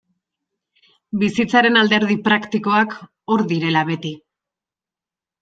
Bizitzaren alderdi praktikoak hor direla beti.